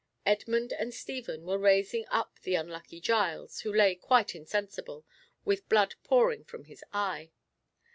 Edmund and Stephen were raising up the unlucky Giles, who lay quite insensible, with blood pouring from his eye.